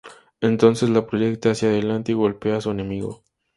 Entonces las proyecta hacia adelante y golpea a su enemigo.